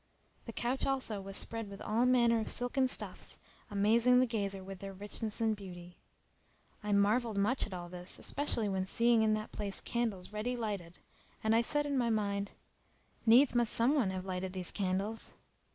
The couch also was spread with all manner of silken stuffs amazing the gazer with their richness and beauty. I marvelled much at all this, especially when seeing in that place candles ready lighted; and I said in my mind, "Needs must some one have lighted these candles."